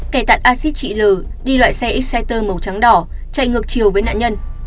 kẻ tạt acid chị l đi loại xe exciter màu trắng đỏ chạy ngược chiều với nạn nhân